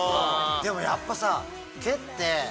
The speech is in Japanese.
でもやっぱさ。